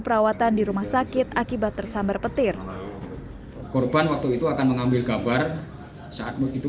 perawatan di rumah sakit akibat tersambar petir korban waktu itu akan mengambil gambar saat begitu